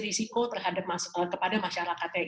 risiko terhadap masyarakatnya